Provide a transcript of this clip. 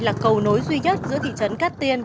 là cầu nối duy nhất giữa thị trấn cát tiên